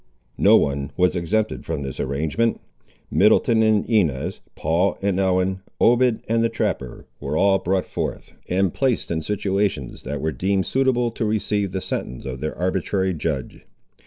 No one was exempted from this arrangement. Middleton and Inez, Paul and Ellen, Obed and the trapper, were all brought forth and placed in situations that were deemed suitable to receive the sentence of their arbitrary judge.